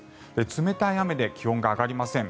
冷たい雨で気温が上がりません。